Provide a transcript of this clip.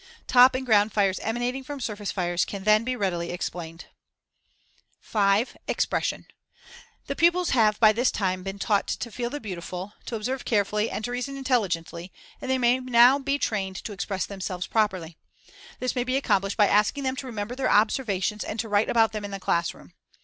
Top and ground fires emanating from surface fires can then be readily explained. [Illustration: FIG. 155. Trees Blend Together to Form a Beautiful Composition.] 5. Expression: The pupils have by this time been taught to feel the beautiful, to observe carefully and to reason intelligently and they may now be trained to express themselves properly. This may be accomplished by asking them to remember their observations and to write about them in the classroom.